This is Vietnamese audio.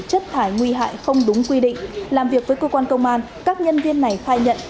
chất thải nguy hại không đúng quy định làm việc với cơ quan công an các nhân viên này khai nhận